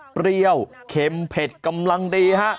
เปรี้ยวเค็มเผ็ดกำลังดีฮะ